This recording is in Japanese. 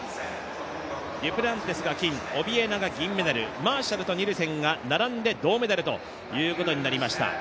デュプランティスが金、オビエナが銀、マーシャルとニルセンが並んで銅メダルということになりました。